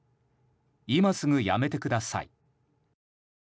今すぐ辞めてください。